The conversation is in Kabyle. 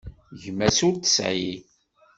Gma-s ur t-tesεi.